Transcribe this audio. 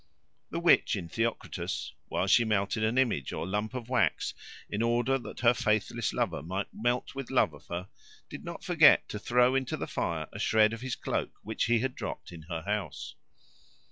The witch in Theocritus, while she melted an image or lump of wax in order that her faithless lover might melt with love of her, did not forget to throw into the fire a shred of his cloak which he had dropped in her house.